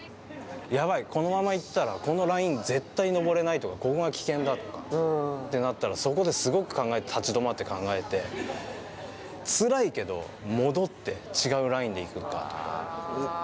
やばい、このまま行ったらこのライン絶対登れないとか、ここが危険だとかとなったら、そこですごく立ち止まって考えてつらいけど、戻って違うラインで行くかとか。